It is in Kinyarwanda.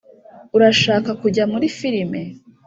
urashaka kujya muri firime?